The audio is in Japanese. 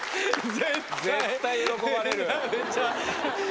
絶対喜ばれる。